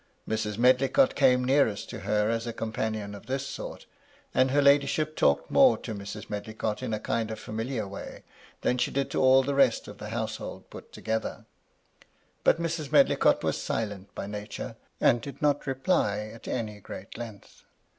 Mrs. Medlicott came nearest to her as a companion of this sort ; and her ladyship talked more 70 MY LADY LUDLOW. to Mrs. Medlicott, in a kind of familiar way, than she did to all the rest of the household put together. But Mrs. Medlicott was silent by nature, and did not reply at any great length.